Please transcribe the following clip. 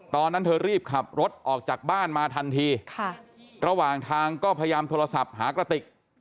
ตอนนั้นเธอรีบขับรถออกจากบ้านมาทันทีระหว่างทางก็พยายามโทรศัพท์หากระติก